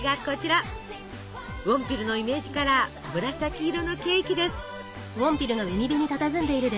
ウォンピルのイメージカラー紫色のケーキです。